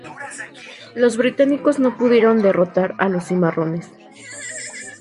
Los británicos no pudieron derrotar a los cimarrones.